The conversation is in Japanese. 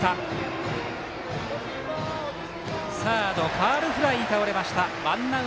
ファウルフライに倒れました。